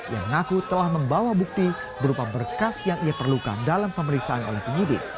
yang mengaku telah membawa bukti berupa berkas yang ia perlukan dalam pemeriksaan oleh penyidik